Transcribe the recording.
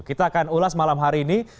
kita akan ulas malam hari ini